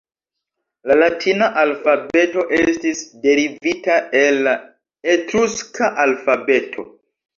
La Latina alfabeto estis derivita el la Etruska alfabeto.